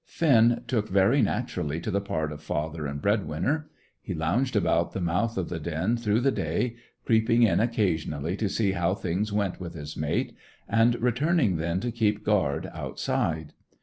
Finn took very naturally to the part of father and bread winner. He lounged about the mouth of the den through the day, creeping in occasionally to see how things went with his mate, and returning then to keep guard outside.